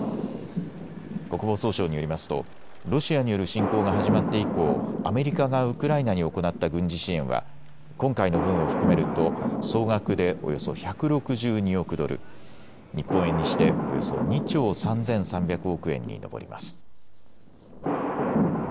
国防総省によりますとロシアによる侵攻が始まって以降、アメリカがウクライナに行った軍事支援は今回の分を含めると総額でおよそ１６２億ドル、日本円にしておよそ２兆３３００億円に上ります。